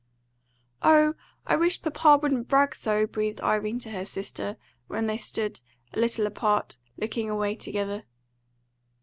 "Oh, I wish papa wouldn't brag so!" breathed Irene to her sister, where they stood, a little apart, looking away together.